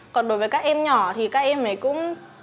còn đối với các em nhỏ thì các em ấy cũng